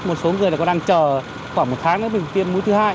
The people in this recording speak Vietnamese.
một số người là còn đang chờ khoảng một tháng nữa mình tiêm mũi thứ hai